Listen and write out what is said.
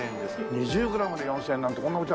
２０グラムで４０００円なんてこんなお茶